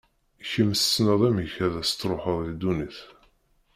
Kemm tessneḍ amek ad as-tṛuḥeḍ i ddunit.